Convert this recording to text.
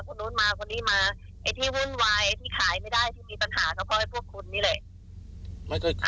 คนนู้นมาคนนี้มาไอ้ที่วุ่นวายไอ้ที่ขายไม่ได้ที่มีปัญหาก็เพราะไอ้พวกคุณนี่แหละ